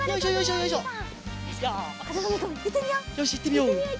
よしいってみよう。